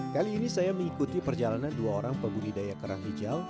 kali ini saya mengikuti perjalanan dua orang pembudidaya kerang hijau